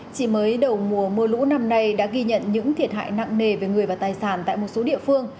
chỉ mới đầu mùa mưa lũ năm nay đã ghi nhận những thiệt hại nặng nề về người và tài sản tại một số địa phương